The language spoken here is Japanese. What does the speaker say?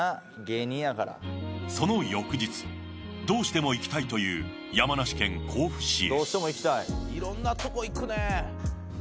その翌日どうしても行きたいという山梨県甲府市へ。